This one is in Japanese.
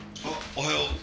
あおはよう。